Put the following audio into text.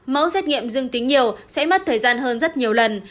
mẫu xét nghiệm dương tính nhiều sẽ mất thời gian hơn rất nhiều lần